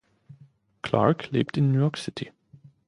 Clarke lebt in New York City.